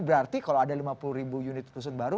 berarti kalau ada lima puluh ribu unit rusun baru